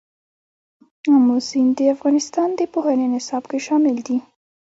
آمو سیند د افغانستان د پوهنې نصاب کې شامل دي.